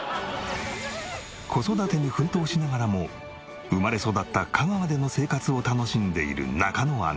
子育てに奮闘しながらも生まれ育った香川での生活を楽しんでいる中野アナ。